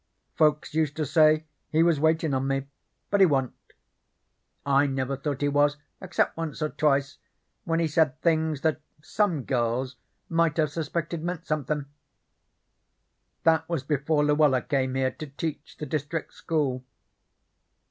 Folks used to say he was waitin' on me, but he wa'n't. I never thought he was except once or twice when he said things that some girls might have suspected meant somethin'. That was before Luella came here to teach the district school.